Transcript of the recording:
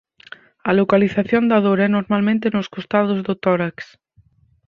A localización da dor é normalmente nos costados do tórax.